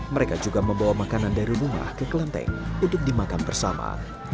mereka juga membawa makanan dari rumah ke kelenteng untuk dimakan bersama